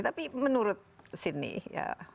tapi menurut sidney ya